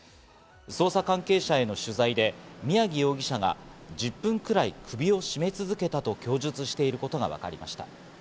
捜査関係者への取材で宮城容疑者が１０分くらい首を絞め続けたと供述していることがわかりました。